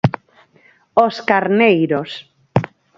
Os carneiros.